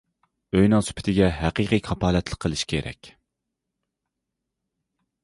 ئۆينىڭ سۈپىتىگە ھەقىقىي كاپالەتلىك قىلىش كېرەك.